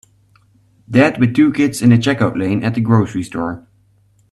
Dad with two kids in the checkout lane at the grocery store.